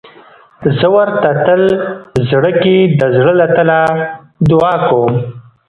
زه ورته تل په زړه کې د زړه له تله دعا کوم.